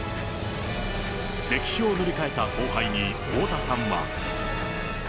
歴史を塗り替えた後輩に太田さんは。